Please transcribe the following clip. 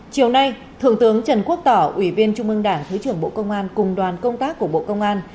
chiều nay thượng tướng trần quốc tỏ ủy viên trung ương đảng thứ trưởng bộ công an cùng đoàn công tác của bộ công an